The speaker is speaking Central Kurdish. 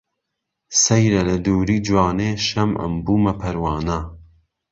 سهیره له دووری جوانێ شهمعم بوومه پهروانه